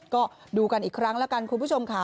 ก็ดูกันอีกครั้งแล้วกันคุณผู้ชมค่ะ